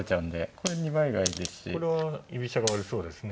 これは居飛車が悪そうですね。